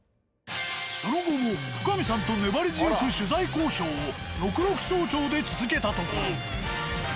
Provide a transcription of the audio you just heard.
その後も深見さんと粘り強く取材交渉を六麓荘町で続けたところ。